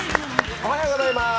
おはようございます。